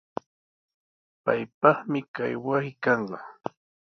Paypaqmi kay wasi kanqa.